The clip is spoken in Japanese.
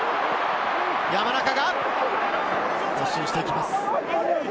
山中が突進していきます。